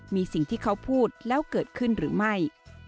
มีสิ่งที่เขาพูดแล้วเกิดขึ้นหรือไม่